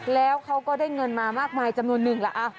แล้วเขาก็ได้เงินมามากมายจำนวนนึงล่ะ